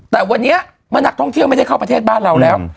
แต่วันนี้เมื่อนักท่องเที่ยวไม่ได้เข้าประเทศบ้านเราแล้ว